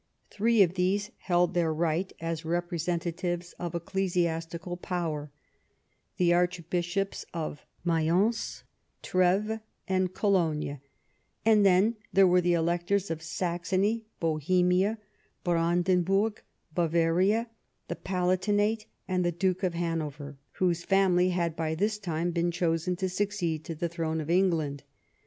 Three of these held their right as representatives of ecclesiastical power — the Archbishops of Mayence, Treves, and Col(^e — and then there were the electors of Saxony, Bohemia, Brandenburg, Bavaria, the Palatinate, and the Duke of Hanover, whose family had by this time been chosen to succeed to the throne of England.